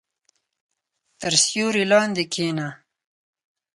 • تر سیوري لاندې کښېنه.